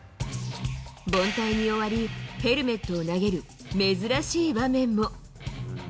凡退に終わり、ヘルメットを投げる珍しい場面も。